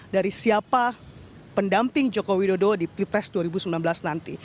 dari siapa pendamping jokowi dodo di pipres dua ribu sembilan belas nanti